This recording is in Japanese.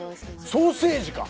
ソーセージか！